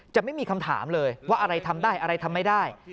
จะไม่มีคำถามเลยว่าอะไรทำได้อะไรทำไม่ได้